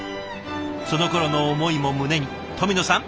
そのころの思いも胸に富野さん